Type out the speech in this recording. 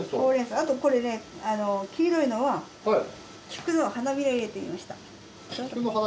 あとこれね黄色いのは菊の花びら入れてみました。